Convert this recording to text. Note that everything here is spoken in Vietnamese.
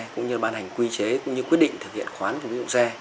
cũng như ban hành quy chế cũng như quyết định thực hiện khoán dùng xe